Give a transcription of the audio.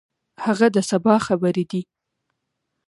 هغه د سبا خبرې دي.